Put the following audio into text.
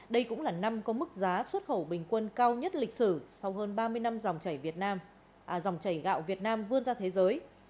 đây cũng là năm có mức giá xuất khẩu bình quân cao nhất lịch sử sau hơn ba mươi năm dòng chảy gạo việt nam vươn ra thế giới